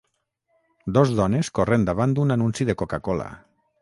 Dos dones corrent davant d'un anunci de Coca-Cola.